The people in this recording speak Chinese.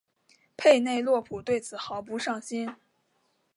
佩内洛普对此毫不上心。